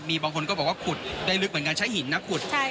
มีบางคนก็บอกว่าขุดได้ลึกเหมือนกันใช้หินนะขุด